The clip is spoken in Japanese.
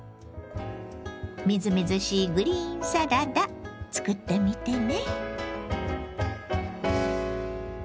みずみずしいグリーンサラダ作ってみてね。